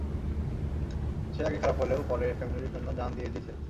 সে আগে খারাপ হলেও, পরে ফ্যামিলির জন্য জান দিয়ে দিছে।